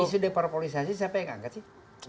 ini isu diparpolisasi siapa yang angkat sih